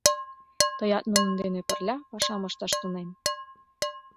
Тыят нунын дене пырля пашам ышташ тунем.